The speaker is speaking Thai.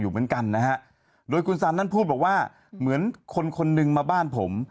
อยู่เหมือนกันนะฮะโดยคุณซันนั้นพูดบอกว่าเหมือนคนคนนึงมาบ้านผม